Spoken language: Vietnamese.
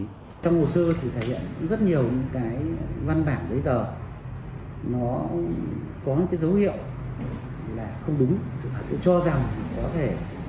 trong hồ sơ thì thể hiện rất nhiều cái văn bản giấy tờ nó có cái dấu hiệu là không đúng sự thật tôi cho rằng có thể